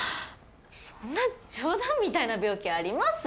そんな冗談みたいな病気あります？